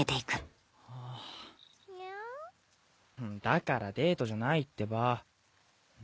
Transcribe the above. だからデートじゃないってば。